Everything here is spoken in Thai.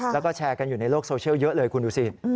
แล้วก็แชร์กันอยู่ในโลกโซเชียลเยอะเลยคุณดูสิ